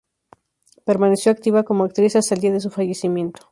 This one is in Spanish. Permaneció activa como actriz hasta el día de su fallecimiento.